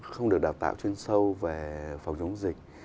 không được đào tạo chuyên sâu về phòng chống dịch